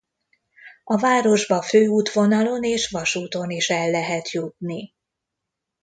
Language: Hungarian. A városba főútvonalon és vasúton is el lehet jutni.